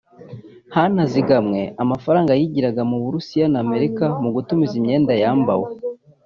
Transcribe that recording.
hanazigamwe amafaranga yigiraga mu Burayi na Amerika mu gutumiza imyenda yambawe